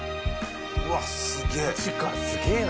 うわっすげえ。